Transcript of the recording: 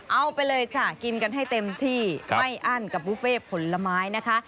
เอาไปเลยจ้ะกินกันให้เต็มที่ไม่อั้นกับบุฟเฟ่ผลไม้นะคะ